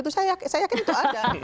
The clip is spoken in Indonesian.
saya yakin itu ada